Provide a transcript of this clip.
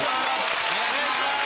お願いします。